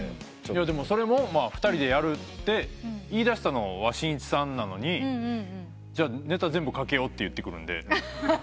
でもそれも２人でやるって言いだしたのはしんいちさんなのに「ネタ全部書けよ」と言ってくるんで。